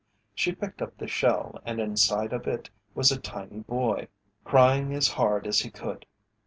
She picked up the shell, and inside of it was a tiny boy, crying as hard as he could.